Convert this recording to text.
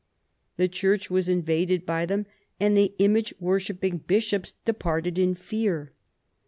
The church was invaded by them, and the image w^orshipping bishops departed in fear.